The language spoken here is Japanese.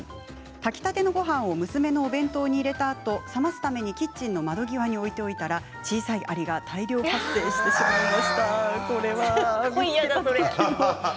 炊きたてのごはんを娘のお弁当に入れたあと冷ますためにキッチンの窓際に置いておいたら小さいありが大量発生してしまいました。